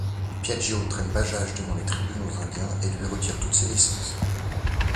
Piaggio traine Bajaj devant les tribunaux indiens et lui retire toutes ses licences.